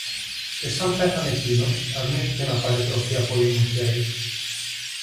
Και σαν πέθανε κείνος, αρνήθηκε να πάρει τροφή από αλλουνού χέρι